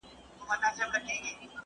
تدريس د يو مضمون تشريح ده.